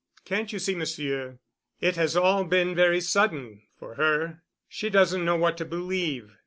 Can't you see, Monsieur? It has all been very sudden—for her. She doesn't know what to believe.